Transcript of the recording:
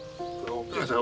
お母さん。